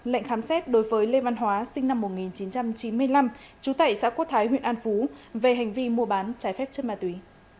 lệnh khám xét đối với lê văn hóa sinh năm một nghìn chín trăm chín mươi năm trú tại xã quốc thái huyện an phú về hành vi mua bán trái phép chất ma túy